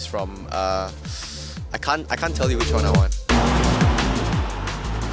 saya tidak bisa memberitahu kamu yang saya inginkan